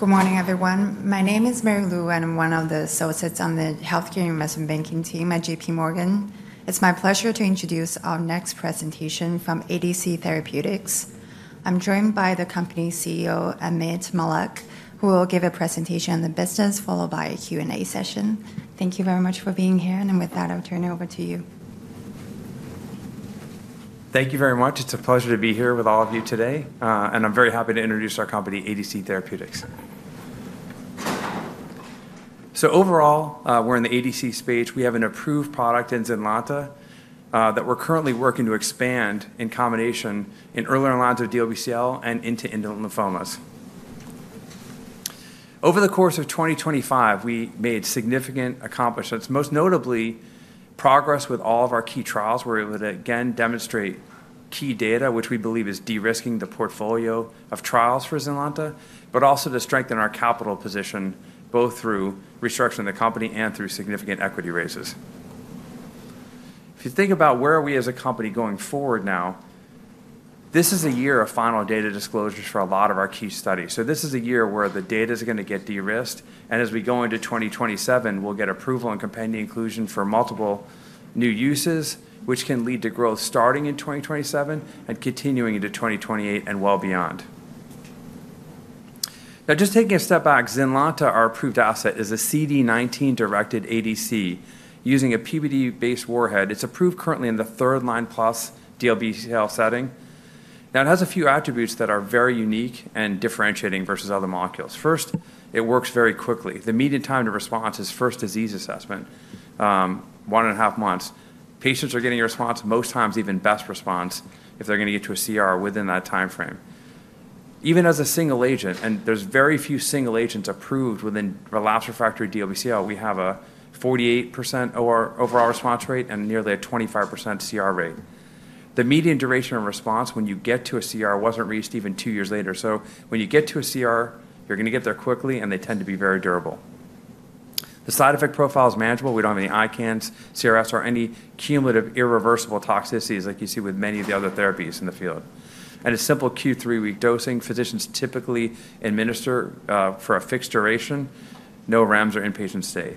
Good morning, everyone. My name is Marylou, and I'm one of the associates on the Healthcare Investment Banking team at JPMorgan. It's my pleasure to introduce our next presentation from ADC Therapeutics. I'm joined by the company CEO, Ameet Mallik, who will give a presentation on the business, followed by a Q&A session. Thank you very much for being here, and with that, I'll turn it over to you. Thank you very much. It's a pleasure to be here with all of you today, and I'm very happy to introduce our company, ADC Therapeutics. So overall, we're in the ADC space. We have an approved product, Zynlonta, that we're currently working to expand in combination in early line to DLBCL and into indolent lymphomas. Over the course of 2025, we made significant accomplishments, most notably progress with all of our key trials. We're able to, again, demonstrate key data, which we believe is de-risking the portfolio of trials for Zynlonta, but also to strengthen our capital position both through restructuring the company and through significant equity raises. If you think about where we are as a company going forward now, this is a year of final data disclosures for a lot of our key studies. So this is a year where the data is going to get de-risked, and as we go into 2027, we'll get approval and companion inclusion for multiple new uses, which can lead to growth starting in 2027 and continuing into 2028 and well beyond. Now, just taking a step back, Zynlonta, our approved asset, is a CD19-directed ADC using a PBD-based warhead. It's approved currently in the third line plus DLBCL setting. Now, it has a few attributes that are very unique and differentiating versus other molecules. First, it works very quickly. The median time to response is first disease assessment, one and a half months. Patients are getting a response, most times even best response, if they're going to get to a CR within that time frame. Even as a single agent, and there's very few single agents approved within the last refractory DLBCL, we have a 48% overall response rate and nearly a 25% CR rate. The median duration of response when you get to a CR wasn't reached even two years later. So when you get to a CR, you're going to get there quickly, and they tend to be very durable. The side effect profile is manageable. We don't have any ICANS, CRS, or any cumulative irreversible toxicities like you see with many of the other therapies in the field, and a simple Q3 week dosing. Physicians typically administer for a fixed duration, no REMS or inpatient stay.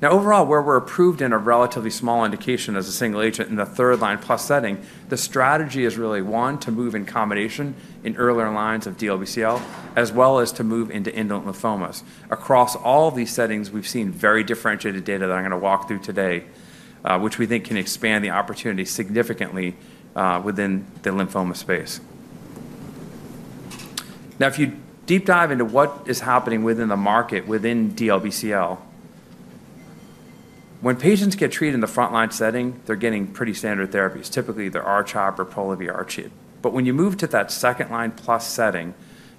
Now, overall, where we're approved in a relatively small indication as a single agent in the third line plus setting, the strategy is really one to move in combination in earlier lines of DLBCL, as well as to move into indolent lymphomas. Across all of these settings, we've seen very differentiated data that I'm going to walk through today, which we think can expand the opportunity significantly within the lymphoma space. Now, if you deep dive into what is happening within the market, within DLBCL, when patients get treated in the front line setting, they're getting pretty standard therapies. Typically, they're R-CHOP or Pola-R-CHP. But when you move to that second line plus setting,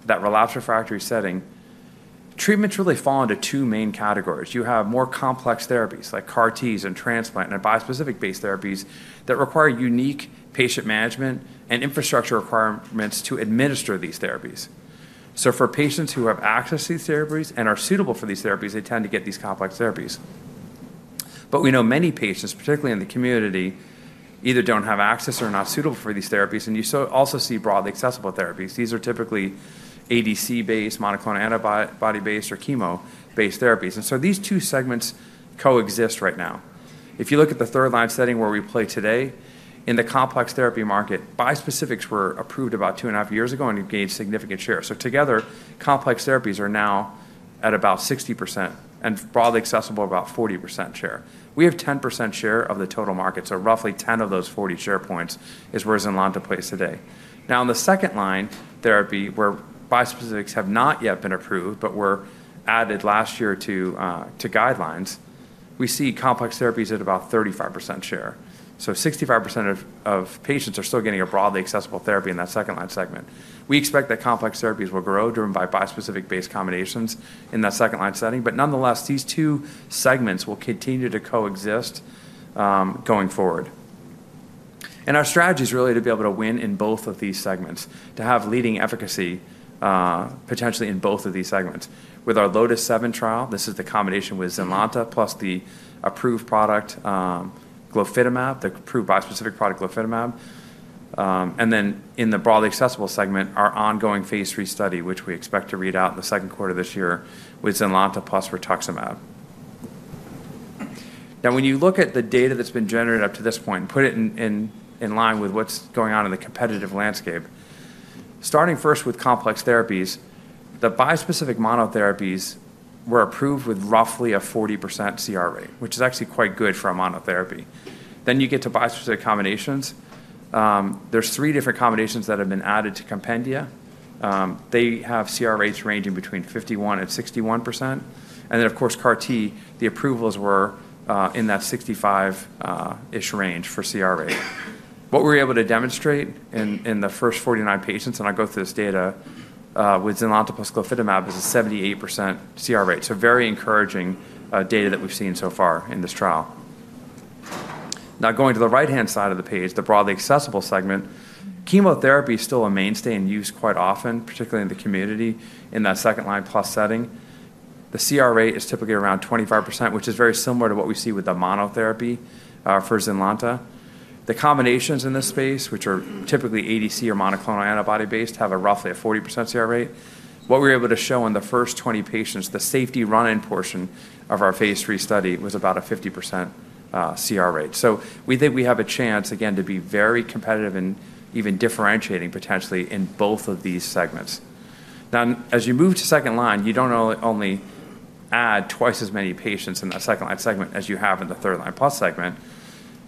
that relapse refractory setting, treatments really fall into two main categories. You have more complex therapies like CAR-Ts and transplant and bispecific-based therapies that require unique patient management and infrastructure requirements to administer these therapies. So for patients who have access to these therapies and are suitable for these therapies, they tend to get these complex therapies. But we know many patients, particularly in the community, either don't have access or are not suitable for these therapies, and you also see broadly accessible therapies. These are typically ADC-based, monoclonal antibody-based, or chemo-based therapies. And so these two segments coexist right now. If you look at the third line setting where we play today, in the complex therapy market, bispecifics were approved about two and a half years ago and gained significant share. So together, complex therapies are now at about 60% and broadly accessible about 40% share. We have 10% share of the total market, so roughly 10 of those 40 share points is where Zynlonta plays today. Now, in the second line therapy, where bispecifics have not yet been approved but were added last year to guidelines, we see complex therapies at about 35% share. So 65% of patients are still getting a broadly accessible therapy in that second line segment. We expect that complex therapies will grow driven by bispecific-based combinations in that second line setting, but nonetheless, these two segments will continue to coexist going forward. Our strategy is really to be able to win in both of these segments, to have leading efficacy potentially in both of these segments. With our LOTIS-7 trial, this is the combination with Zynlonta plus the approved product glofitamab, the approved bispecific product glofitamab, and then in the broadly accessible segment, our ongoing phase III study, which we expect to read out in the second quarter of this year with Zynlonta plus rituximab. Now, when you look at the data that's been generated up to this point and put it in line with what's going on in the competitive landscape, starting first with complex therapies, the bispecific monotherapies were approved with roughly a 40% CR rate, which is actually quite good for a monotherapy. Then you get to bispecific combinations. There's three different combinations that have been added to compendia. They have CR rates ranging between 51 and 61%. And then, of course, CAR-T, the approvals were in that 65-ish range for CR rate. What we're able to demonstrate in the first 49 patients, and I'll go through this data, with Zynlonta plus glofitamab is a 78% CR rate. So very encouraging data that we've seen so far in this trial. Now, going to the right-hand side of the page, the broadly accessible segment, chemotherapy is still a mainstay in use quite often, particularly in the community in that second line plus setting. The CR rate is typically around 25%, which is very similar to what we see with the monotherapy for Zynlonta. The combinations in this space, which are typically ADC or monoclonal antibody-based, have a roughly 40% CR rate. What we're able to show in the first 20 patients, the safety run-in portion of our phase III study was about a 50% CR rate. So we think we have a chance, again, to be very competitive in even differentiating potentially in both of these segments. Now, as you move to second line, you don't only add twice as many patients in that second line segment as you have in the third line plus segment.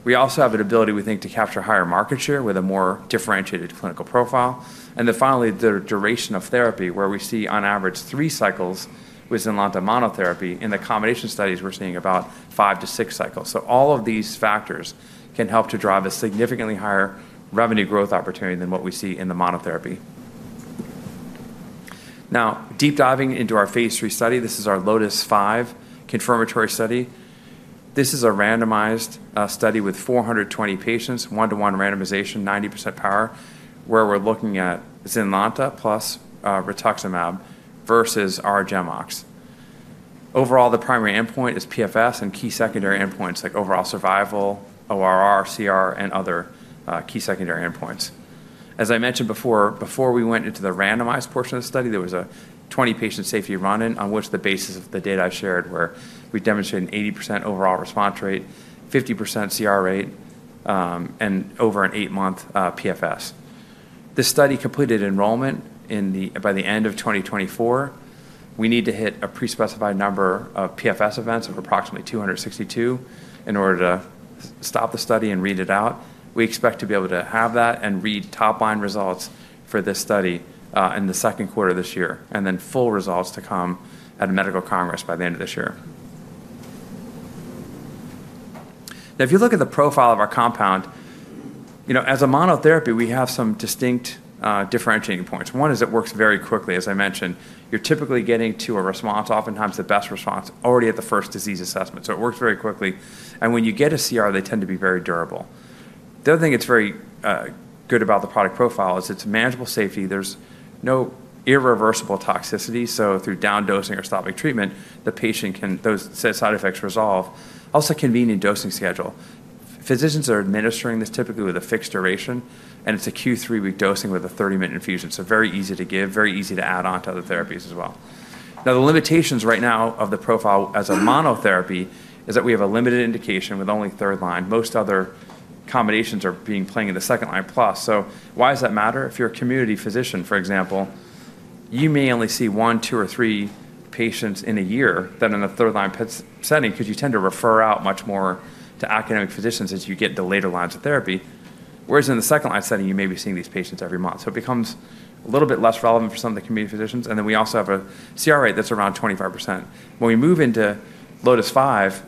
We also have an ability, we think, to capture higher market share with a more differentiated clinical profile. And then finally, the duration of therapy, where we see on average 3 cycles with Zynlonta monotherapy, in the combination studies, we're seeing about five to six cycles. So all of these factors can help to drive a significantly higher revenue growth opportunity than what we see in the monotherapy. Now, deep diving into our phase III study, this is our LOTIS-5 confirmatory study. This is a randomized study with 420 patients, one-to-one randomization, 90% power, where we're looking at Zynlonta plus rituximab versus R-GemOx. Overall, the primary endpoint is PFS and key secondary endpoints like overall survival, ORR, CR, and other key secondary endpoints. As I mentioned before, before we went into the randomized portion of the study, there was a 20-patient safety run-in on the basis of the data I shared, where we demonstrated an 80% overall response rate, 50% CR rate, and over an eight-month PFS. This study completed enrollment by the end of 2024. We need to hit a pre-specified number of PFS events of approximately 262 in order to stop the study and read it out. We expect to be able to have that and read top-line results for this study in the second quarter of this year, and then full results to come at medical congress by the end of this year. Now, if you look at the profile of our compound, as a monotherapy, we have some distinct differentiating points. One is it works very quickly, as I mentioned. You're typically getting to a response, oftentimes the best response, already at the first disease assessment, so it works very quickly, and when you get a CR, they tend to be very durable. The other thing that's very good about the product profile is it's manageable safety. There's no irreversible toxicity, so through down-dosing or stopping treatment, the patient can. Those side effects resolve. Also, convenient dosing schedule. Physicians are administering this typically with a fixed duration, and it's a Q3 week dosing with a 30-minute infusion, so very easy to give, very easy to add on to other therapies as well. Now, the limitations right now of the profile as a monotherapy is that we have a limited indication with only third line. Most other combinations are playing in the second line plus, so why does that matter? If you're a community physician, for example, you may only see one, two, or three patients in a year than in a third line setting because you tend to refer out much more to academic physicians as you get the later lines of therapy, whereas in the second line setting, you may be seeing these patients every month. So it becomes a little bit less relevant for some of the community physicians. And then we also have a CR rate that's around 25%. When we move into LOTIS-5,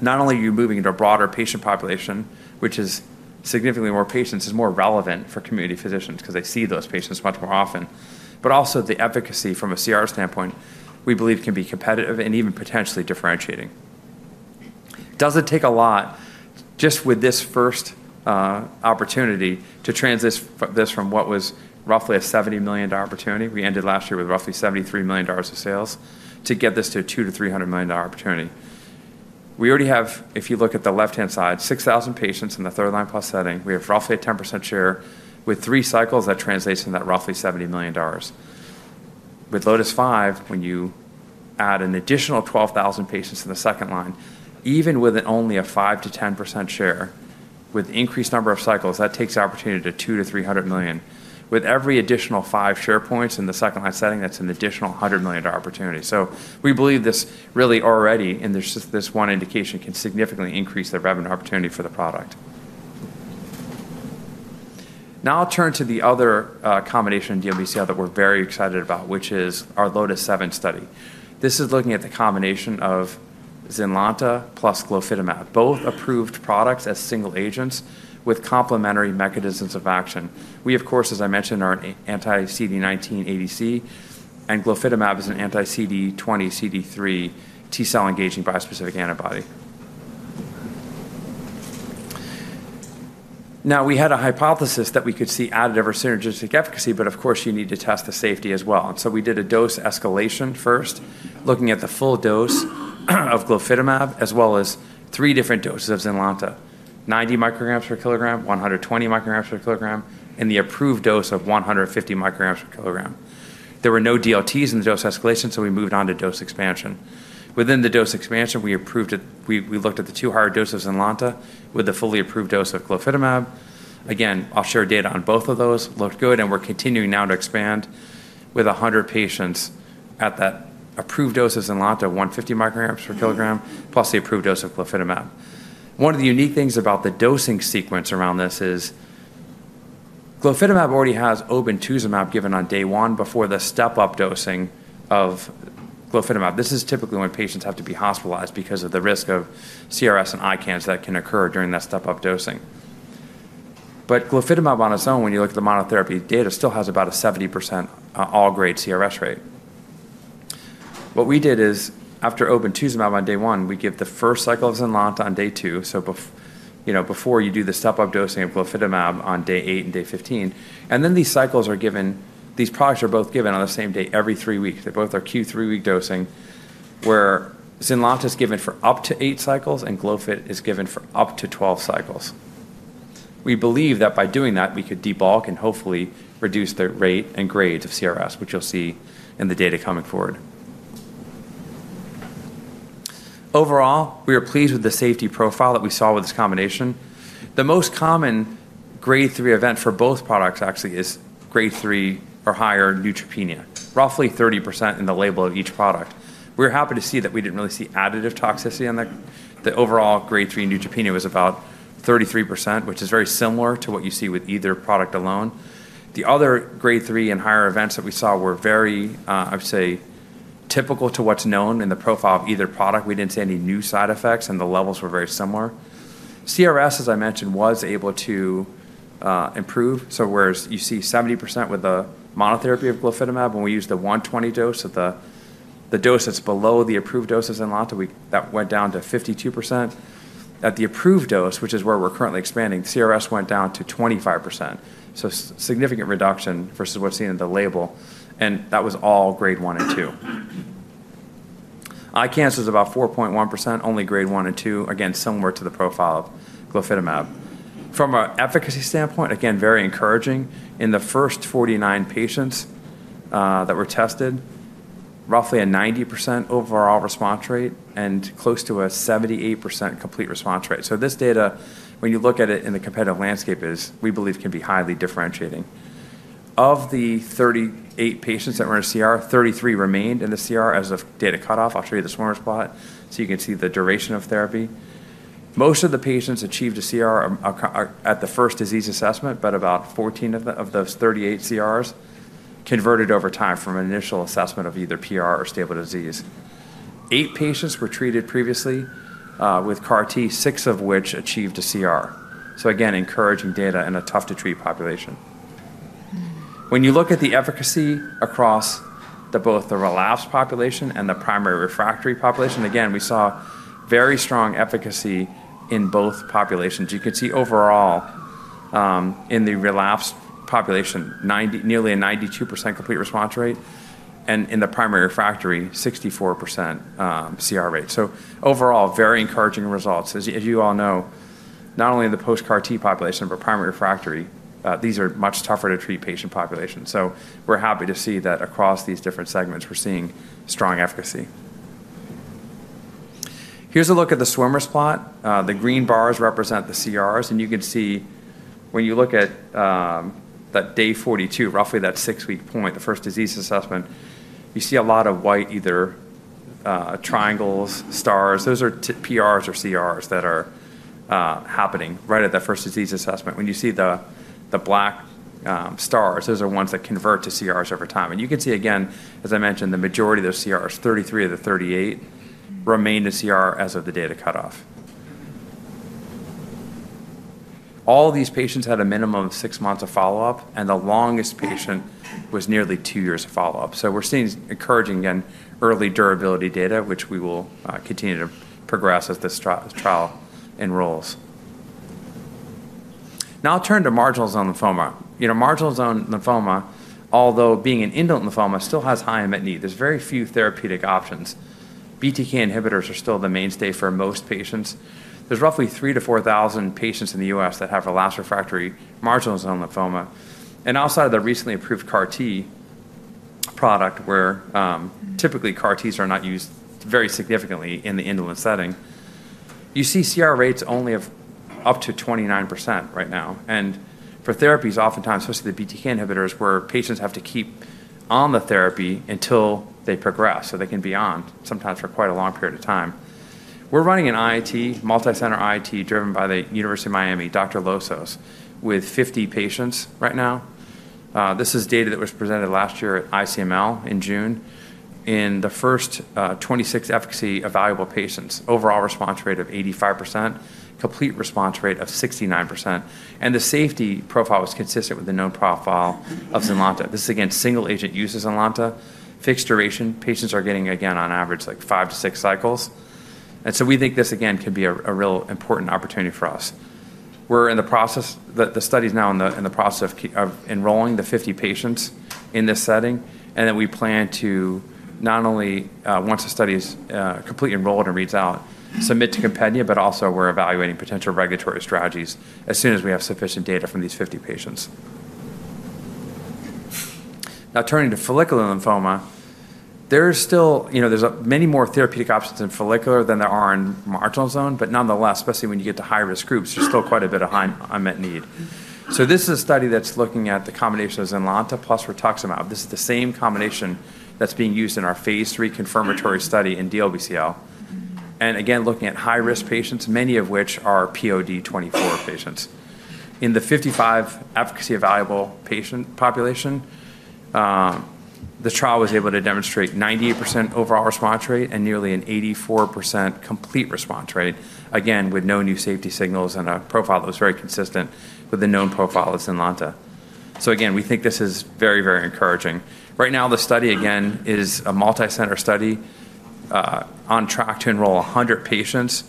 not only are you moving into a broader patient population, which is significantly more patients, it's more relevant for community physicians because they see those patients much more often, but also the efficacy from a CR standpoint, we believe, can be competitive and even potentially differentiating. Does it take a lot just with this first opportunity to transition this from what was roughly a $70 million opportunity? We ended last year with roughly $73 million of sales to get this to a $200-$300 million opportunity. We already have, if you look at the left-hand side, 6,000 patients in the third line plus setting. We have roughly a 10% share. With three cycles, that translates into that roughly $70 million. With LOTIS-5, when you add an additional 12,000 patients in the second line, even with only a 5%-10% share with increased number of cycles, that takes the opportunity to $200-$300 million. With every additional five share points in the second line setting, that's an additional $100 million opportunity. So we believe this really already, and there's just this one indication, can significantly increase the revenue opportunity for the product. Now I'll turn to the other combination in DLBCL that we're very excited about, which is our LOTIS-7 study. This is looking at the combination of Zynlonta plus glofitamab, both approved products as single agents with complementary mechanisms of action. We, of course, as I mentioned, are anti-CD19 ADC, and glofitamab is an anti-CD20, CD3 T-cell engaging bispecific antibody. Now, we had a hypothesis that we could see additive or synergistic efficacy, but of course, you need to test the safety as well, and so we did a dose escalation first, looking at the full dose of glofitamab as well as three different doses of Zynlonta: 90 micrograms per kilogram, 120 micrograms per kilogram, and the approved dose of 150 micrograms per kilogram. There were no DLTs in the dose escalation, so we moved on to dose expansion. Within the dose expansion, we looked at the two higher doses of Zynlonta with the fully approved dose of glofitamab. Again, offshore data on both of those looked good, and we're continuing now to expand with 100 patients at that approved dose of Zynlonta, 150 micrograms per kilogram, plus the approved dose of glofitamab. One of the unique things about the dosing sequence around this is glofitamab already has obinutuzumab given on day one before the step-up dosing of glofitamab. This is typically when patients have to be hospitalized because of the risk of CRS and ICANS that can occur during that step-up dosing. But glofitamab on its own, when you look at the monotherapy data, still has about a 70% all-grade CRS rate. What we did is, after obinutuzumab on day one, we give the first cycle of Zynlonta on day two, so before you do the step-up dosing of glofitamab on day eight and day 15. And then these cycles are given. These products are both given on the same day every three weeks. They both are Q3 week dosing, where Zynlonta is given for up to eight cycles and glofitamab is given for up to 12 cycles. We believe that by doing that, we could debulk and hopefully reduce the rate and grades of CRS, which you'll see in the data coming forward. Overall, we are pleased with the safety profile that we saw with this combination. The most common grade three event for both products actually is grade three or higher neutropenia, roughly 30% in the label of each product. We're happy to see that we didn't really see additive toxicity on that. The overall grade three neutropenia was about 33%, which is very similar to what you see with either product alone. The other grade three and higher events that we saw were very, I would say, typical to what's known in the profile of either product. We didn't see any new side effects, and the levels were very similar. CRS, as I mentioned, was able to improve, so whereas you see 70% with the monotherapy of glofitamab, when we used the 120 dose, the dose that's below the approved dose of Zynlonta, that went down to 52%. At the approved dose, which is where we're currently expanding, CRS went down to 25%. So significant reduction versus what's seen in the label, and that was all grade one and two. ICANS was about 4.1%, only grade one and two, again, similar to the profile of glofitamab. From an efficacy standpoint, again, very encouraging. In the first 49 patients that were tested, roughly a 90% overall response rate and close to a 78% complete response rate. So this data, when you look at it in the competitive landscape, we believe can be highly differentiating. Of the 38 patients that were in CR, 33 remained in the CR as of data cutoff. I'll show you the swimmers plot so you can see the duration of therapy. Most of the patients achieved a CR at the first disease assessment, but about 14 of those 38 CRs converted over time from an initial assessment of either PR or stable disease. Eight patients were treated previously with CAR-T, six of which achieved a CR. So again, encouraging data in a tough-to-treat population. When you look at the efficacy across both the relapsed population and the primary refractory population, again, we saw very strong efficacy in both populations. You can see overall in the relapsed population, nearly a 92% complete response rate, and in the primary refractory, 64% CR rate. So overall, very encouraging results. As you all know, not only in the post-CAR-T population, but primary refractory, these are much tougher-to-treat patient populations. So we're happy to see that across these different segments, we're seeing strong efficacy. Here's a look at the swimmers plot. The green bars represent the CRs, and you can see when you look at that day 42, roughly that six-week point, the first disease assessment, you see a lot of white either triangles, stars. Those are PRs or CRs that are happening right at that first disease assessment. When you see the black stars, those are ones that convert to CRs over time. And you can see again, as I mentioned, the majority of those CRs, 33 of the 38, remained a CR as of the data cutoff. All of these patients had a minimum of six months of follow-up, and the longest patient was nearly two years of follow-up. So we're seeing encouraging, again, early durability data, which we will continue to progress as this trial enrolls. Now I'll turn to marginal zone lymphoma. Marginal zone lymphoma, although being an indolent lymphoma, still has high unmet need. There's very few therapeutic options. BTK inhibitors are still the mainstay for most patients. There's roughly 3,000-4,000 patients in the US that have relapsed refractory marginal zone lymphoma. Outside of the recently approved CAR-T product, where typically CAR-Ts are not used very significantly in the indolent setting, you see CR rates only of up to 29% right now. For therapies, oftentimes, especially the BTK inhibitors, where patients have to keep on the therapy until they progress so they can be on sometimes for quite a long period of time. We're running an IIT, multicenter IIT driven by the University of Miami, Dr. Lossos, with 50 patients right now. This is data that was presented last year at ICML in June. In the first 26 efficacy evaluable patients, overall response rate of 85%, complete response rate of 69%. The safety profile was consistent with the known profile of Zynlonta. This is, again, single agent use of Zynlonta, fixed duration. Patients are getting, again, on average, like five to six cycles. And so we think this, again, can be a real important opportunity for us. We're in the process, the study is now in the process of enrolling the 50 patients in this setting, and then we plan to not only, once the study is completely enrolled and reads out, submit to compendia, but also we're evaluating potential regulatory strategies as soon as we have sufficient data from these 50 patients. Now turning to follicular lymphoma, there's still, there's many more therapeutic options in follicular than there are in marginal zone, but nonetheless, especially when you get to high-risk groups, there's still quite a bit of unmet need. So this is a study that's looking at the combination of Zynlonta plus rituximab. This is the same combination that's being used in our phase III confirmatory study in DLBCL. And again, looking at high-risk patients, many of which are POD24 patients. In the 55 efficacy evaluable patient population, the trial was able to demonstrate 98% overall response rate and nearly an 84% complete response rate, again, with no new safety signals and a profile that was very consistent with the known profile of Zynlonta, so again, we think this is very, very encouraging. Right now, the study, again, is a multicenter study on track to enroll 100 patients,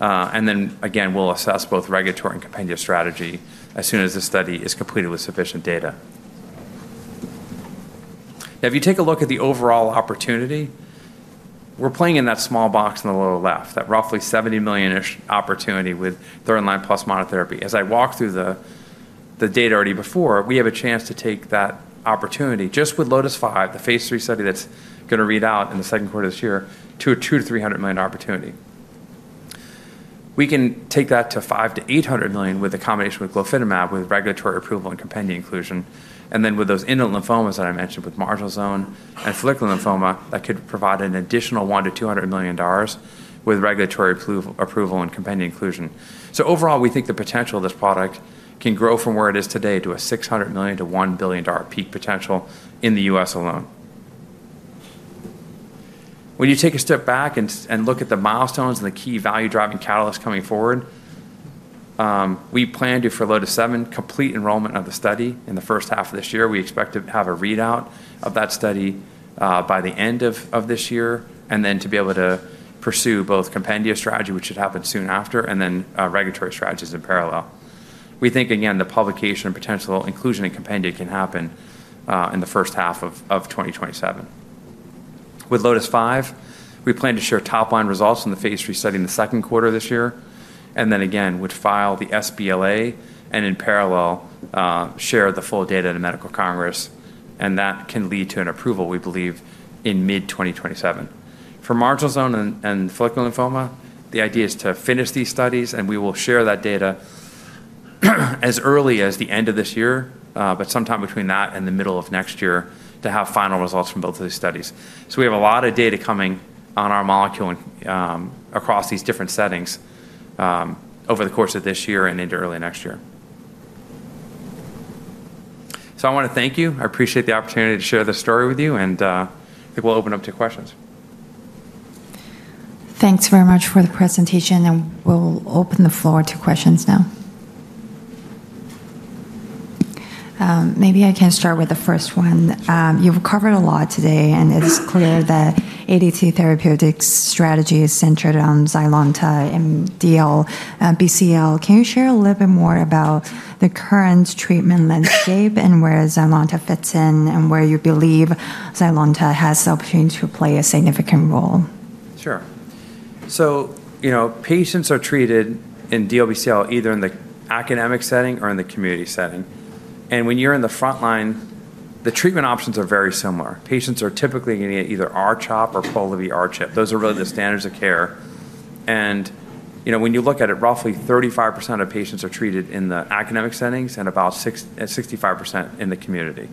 and then again, we'll assess both regulatory and compendia strategy as soon as this study is completed with sufficient data. Now, if you take a look at the overall opportunity, we're playing in that small box on the lower left, that roughly $70 million-ish opportunity with third line plus monotherapy. As I walked through the data already before, we have a chance to take that opportunity just with LOTIS-5, the phase III study that's going to read out in the second quarter of this year, to a $200-$300 million opportunity. We can take that to $500-$800 million with a combination with glofitamab with regulatory approval and compendia inclusion. And then with those indolent lymphomas that I mentioned with marginal zone and follicular lymphoma, that could provide an additional $100-$200 million with regulatory approval and compendia inclusion. So overall, we think the potential of this product can grow from where it is today to a $600 million-$1 billion peak potential in the U.S. alone. When you take a step back and look at the milestones and the key value-driving catalysts coming forward, we plan to, for LOTIS-7, complete enrollment of the study in the first half of this year. We expect to have a readout of that study by the end of this year and then to be able to pursue both compendia strategy, which should happen soon after, and then regulatory strategies in parallel. We think, again, the publication and potential inclusion in compendia can happen in the first half of 2027. With LOTIS-5, we plan to share top-line results in the phase III study in the second quarter of this year, and then again, would file the sBLA and in parallel share the full data to medical congress, and that can lead to an approval, we believe, in mid-2027. For marginal zone and follicular lymphoma, the idea is to finish these studies, and we will share that data as early as the end of this year, but sometime between that and the middle of next year to have final results from both of these studies. So we have a lot of data coming on our molecule across these different settings over the course of this year and into early next year. So I want to thank you. I appreciate the opportunity to share this story with you, and I think we'll open up to questions. Thanks very much for the presentation, and we'll open the floor to questions now. Maybe I can start with the first one. You've covered a lot today, and it's clear that ADC Therapeutics' strategy is centered on Zynlonta and DLBCL. Can you share a little bit more about the current treatment landscape and where Zynlonta fits in and where you believe Zynlonta has the opportunity to play a significant role? Sure. So patients are treated in DLBCL either in the academic setting or in the community setting. And when you're in the front line, the treatment options are very similar. Patients are typically going to get either R-CHOP or Polivy R-CHP. Those are really the standards of care. And when you look at it, roughly 35% of patients are treated in the academic settings and about 65% in the community.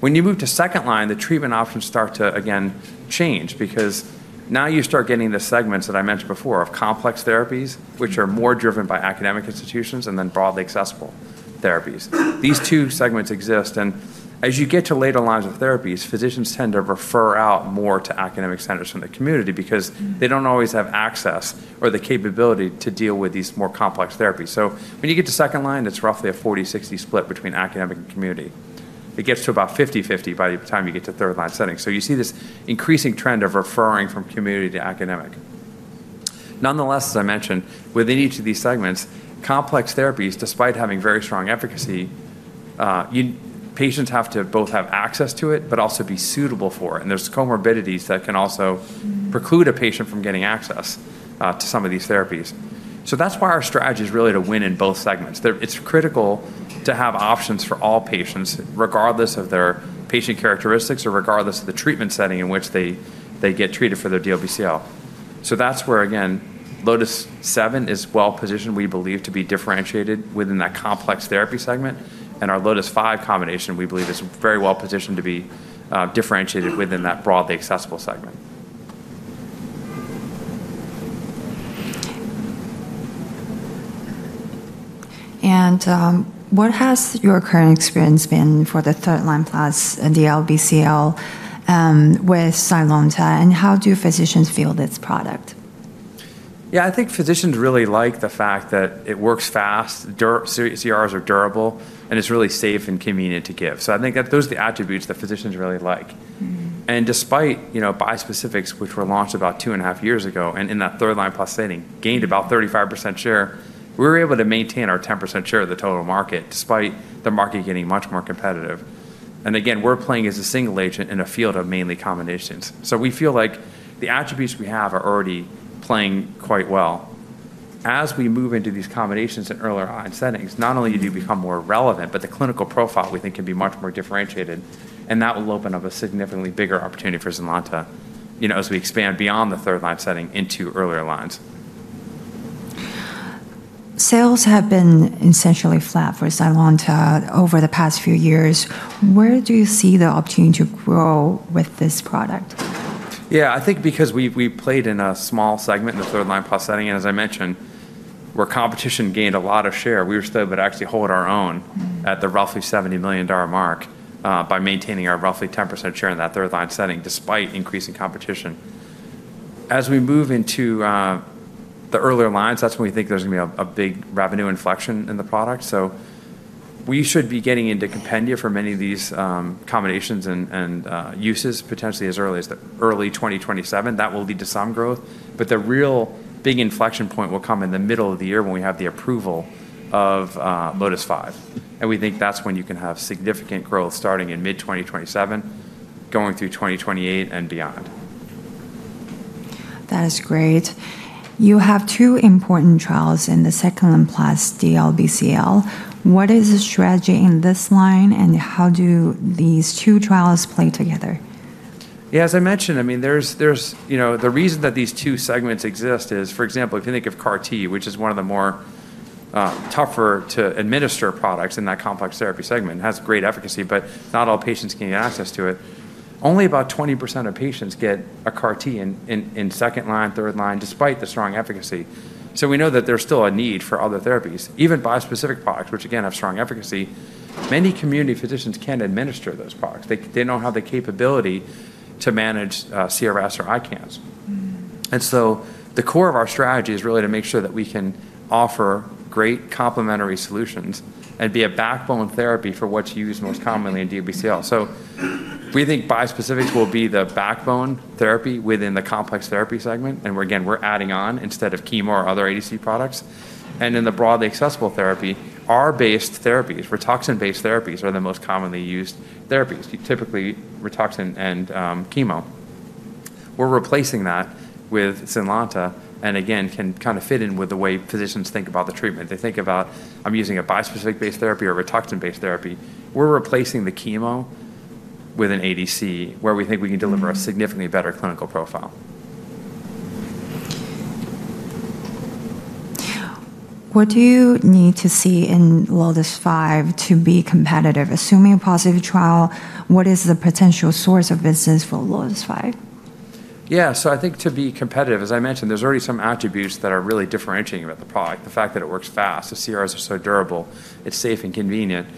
When you move to second line, the treatment options start to, again, change because now you start getting the segments that I mentioned before of complex therapies, which are more driven by academic institutions and then broadly accessible therapies. These two segments exist, and as you get to later lines of therapies, physicians tend to refer out more to academic centers in the community because they don't always have access or the capability to deal with these more complex therapies. When you get to second line, it's roughly a 40-60 split between academic and community. It gets to about 50-50 by the time you get to third line settings. You see this increasing trend of referring from community to academic. Nonetheless, as I mentioned, within each of these segments, complex therapies, despite having very strong efficacy, patients have to both have access to it but also be suitable for it. And there's comorbidities that can also preclude a patient from getting access to some of these therapies. That's why our strategy is really to win in both segments. It's critical to have options for all patients, regardless of their patient characteristics or regardless of the treatment setting in which they get treated for their DLBCL. That's where, again, LOTIS-7 is well-positioned, we believe, to be differentiated within that complex therapy segment. Our LOTIS-5 combination, we believe, is very well-positioned to be differentiated within that broadly accessible segment. What has your current experience been for the third line plus DLBCL with Zynlonta, and how do physicians feel this product? Yeah, I think physicians really like the fact that it works fast, CRs are durable, and it's really safe and convenient to give. So I think that those are the attributes that physicians really like. And despite bispecifics, which were launched about two and a half years ago and in that third line plus setting, gained about 35% share, we were able to maintain our 10% share of the total market despite the market getting much more competitive. And again, we're playing as a single agent in a field of mainly combinations. So we feel like the attributes we have are already playing quite well. As we move into these combinations in earlier line settings, not only do you become more relevant, but the clinical profile, we think, can be much more differentiated, and that will open up a significantly bigger opportunity for Zynlonta as we expand beyond the third line setting into earlier lines. Sales have been essentially flat for Zynlonta over the past few years. Where do you see the opportunity to grow with this product? Yeah, I think because we played in a small segment in the third line plus setting, and as I mentioned, where competition gained a lot of share, we were still able to actually hold our own at the roughly $70 million mark by maintaining our roughly 10% share in that third line setting despite increasing competition. As we move into the earlier lines, that's when we think there's going to be a big revenue inflection in the product. So we should be getting into compendia for many of these combinations and uses potentially as early as early 2027. That will lead to some growth, but the real big inflection point will come in the middle of the year when we have the approval of LOTIS-5. And we think that's when you can have significant growth starting in mid-2027, going through 2028 and beyond. That is great. You have two important trials in the second line plus DLBCL. What is the strategy in this line, and how do these two trials play together? Yeah, as I mentioned, I mean, the reason that these two segments exist is, for example, if you think of CAR-T, which is one of the more tougher to administer products in that complex therapy segment, has great efficacy, but not all patients can get access to it. Only about 20% of patients get a CAR-T in second line, third line, despite the strong efficacy. So we know that there's still a need for other therapies, even bispecific products, which again have strong efficacy. Many community physicians can't administer those products. They don't have the capability to manage CRS or ICANS. And so the core of our strategy is really to make sure that we can offer great complementary solutions and be a backbone therapy for what's used most commonly in DLBCL. So we think bispecifics will be the backbone therapy within the complex therapy segment, and again, we're adding on instead of chemo or other ADC products. And in the broadly accessible therapy, R-based therapies, Rituxan-based therapies are the most commonly used therapies, typically Rituxan and chemo. We're replacing that with Zynlonta and again, can kind of fit in with the way physicians think about the treatment. They think about, "I'm using a bispecific-based therapy or Rituxan-based therapy." We're replacing the chemo with an ADC where we think we can deliver a significantly better clinical profile. What do you need to see in LOTIS-5 to be competitive? Assuming a positive trial, what is the potential source of business for LOTIS-5? Yeah, so I think to be competitive, as I mentioned, there's already some attributes that are really differentiating about the product, the fact that it works fast, the CRs are so durable, it's safe and convenient.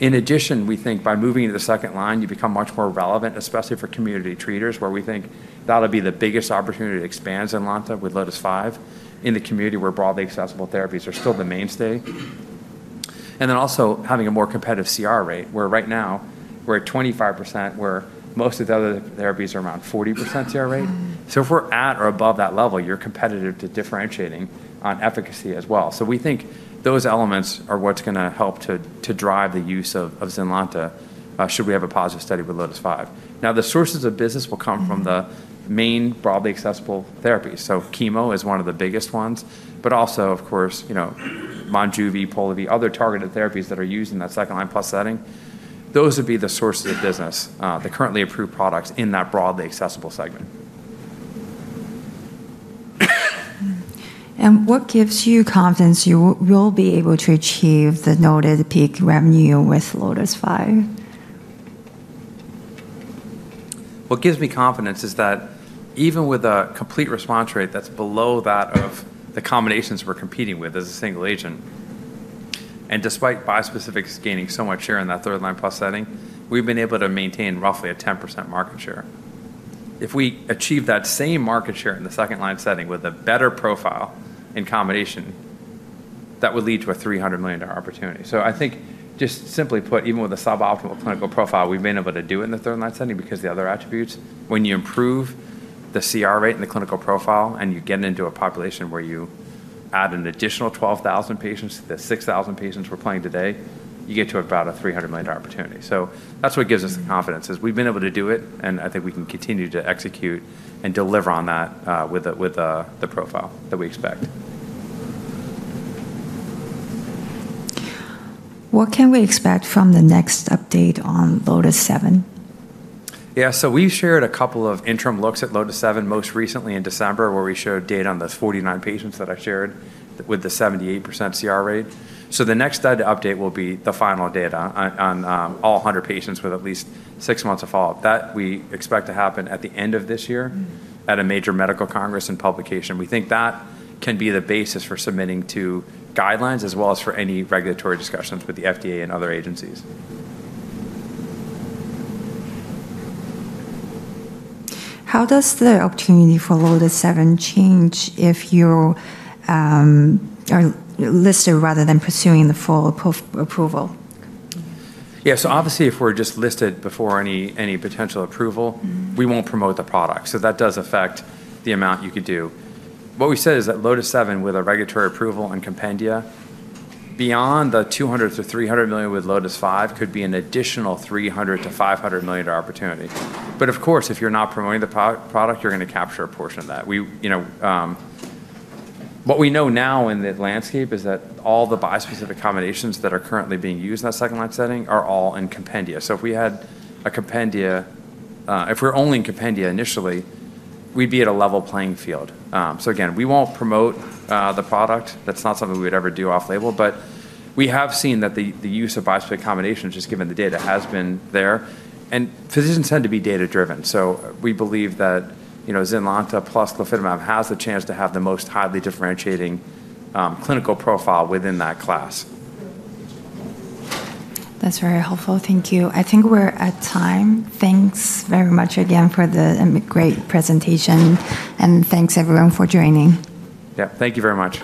In addition, we think by moving to the second line, you become much more relevant, especially for community treaters, where we think that'll be the biggest opportunity to expand Zynlonta with LOTIS-5 in the community where broadly accessible therapies are still the mainstay. And then also having a more competitive CR rate, where right now we're at 25%, where most of the other therapies are around 40% CR rate. So if we're at or above that level, you're competitive to differentiating on efficacy as well. So we think those elements are what's going to help to drive the use of Zynlonta should we have a positive study with LOTIS-5. Now, the sources of business will come from the main broadly accessible therapies. So chemo is one of the biggest ones, but also, of course, Monjuvi, Polivy, other targeted therapies that are used in that second line plus setting. Those would be the sources of business, the currently approved products in that broadly accessible segment. What gives you confidence you will be able to achieve the noted peak revenue with LOTIS-5? What gives me confidence is that even with a complete response rate that's below that of the combinations we're competing with as a single agent, and despite bispecifics gaining so much share in that third line plus setting, we've been able to maintain roughly a 10% market share. If we achieve that same market share in the second line setting with a better profile in combination, that would lead to a $300 million opportunity. So I think just simply put, even with a suboptimal clinical profile, we've been able to do it in the third line setting because the other attributes, when you improve the CR rate and the clinical profile and you get into a population where you add an additional 12,000 patients to the 6,000 patients we're playing today, you get to about a $300 million opportunity. That's what gives us the confidence, is we've been able to do it, and I think we can continue to execute and deliver on that with the profile that we expect. What can we expect from the next update on LOTIS-7? Yeah, so we shared a couple of interim looks at LOTIS-7 most recently in December, where we showed data on the 49 patients that I shared with the 78% CR rate. The next update will be the final data on all 100 patients with at least six months of follow-up. That we expect to happen at the end of this year at a major medical congress and publication. We think that can be the basis for submitting to guidelines as well as for any regulatory discussions with the FDA and other agencies. How does the opportunity for LOTIS-7 change if you are listed rather than pursuing the full approval? Yeah, so obviously if we're just listed before any potential approval, we won't promote the product. So that does affect the amount you could do. What we said is that LOTIS-7 with a regulatory approval and compendia, beyond the $200-$300 million with LOTIS-5, could be an additional $300-$500 million opportunity. But of course, if you're not promoting the product, you're going to capture a portion of that. What we know now in the landscape is that all the bispecific combinations that are currently being used in that second line setting are all in compendia. So if we had a compendia, if we're only in compendia initially, we'd be at a level playing field. So again, we won't promote the product. That's not something we would ever do off-label, but we have seen that the use of bispecific combinations, just given the data, has been there. And physicians tend to be data-driven. So we believe that Zynlonta plus glofitamab has the chance to have the most highly differentiating clinical profile within that class. That's very helpful. Thank you. I think we're at time. Thanks very much again for the great presentation, and thanks everyone for joining. Yeah, thank you very much.